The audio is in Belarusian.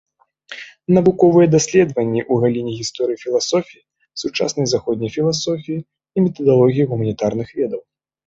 Навуковыя даследаванні ў галіне гісторыі філасофіі, сучаснай заходняй філасофіі і метадалогіі гуманітарных ведаў.